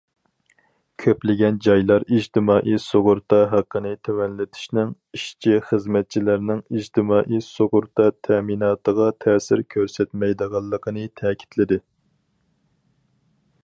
كۆپلىگەن جايلار ئىجتىمائىي سۇغۇرتا ھەققىنى تۆۋەنلىتىشنىڭ ئىشچى- خىزمەتچىلەرنىڭ ئىجتىمائىي سۇغۇرتا تەمىناتىغا تەسىر كۆرسەتمەيدىغانلىقىنى تەكىتلىدى.